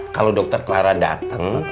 kalau dokter clara dateng